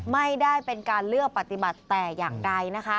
ไม่ได้เป็นการเลือกปฏิบัติแต่อย่างใดนะคะ